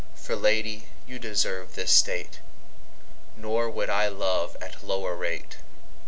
For Lady you deserve this State; Nor would I love at lower rate.